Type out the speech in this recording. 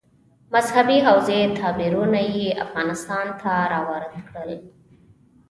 مذهبي حوزې تعبیرونه یې افغانستان ته راوارد کړي.